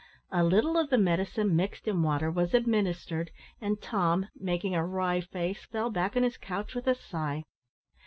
A little of the medicine, mixed in water, was administered, and Tom, making a wry face, fell back on his couch with a sigh.